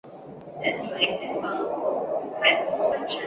礼部尚书孙慎行声讨方从哲与李可灼。